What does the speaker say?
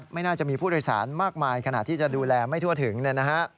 ไม่น่าจะมีผู้โดยสารมากมายขณะที่จะดูแลไม่ทั่วถึงเนี่ยนะฮะ